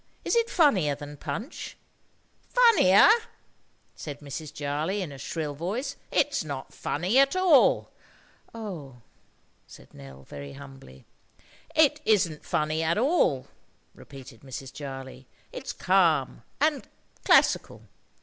"Is it funnier than Punch?" "Funnier!" said Mrs. Jarley in a shrill voice. "It is not funny at all." "Oh!" said Nell very humbly. "It isn't funny at all," repeated Mrs. Jarley. "It's calm and—classical.